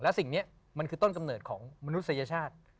และสิ่งนี้มันคือต้นกำเนิดของมนุษยชาติ